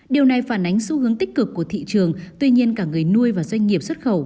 điều này phản ánh xu hướng tích cực của thị trường tuy nhiên cả người nuôi và doanh nghiệp xuất khẩu